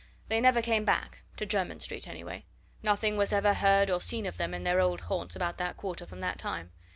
They never came back to Jermyn Street, anyway. Nothing was ever heard or seen of them in their old haunts about that quarter from that time.